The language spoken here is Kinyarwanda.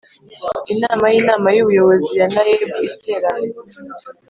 Inama y inama y ubuyobozi ya naeb iterana